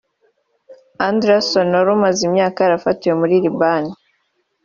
Anderson wari umaze imyaka yarafatiwe muri Liban